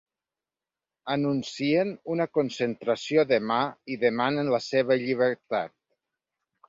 Anuncien una concentració demà i demanen la seva llibertat.